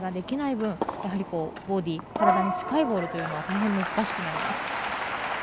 分ボディー体に近いボールというのは大変難しくなります。